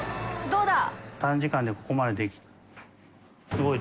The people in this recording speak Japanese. どうだ！